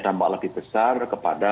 dampak lebih besar kepada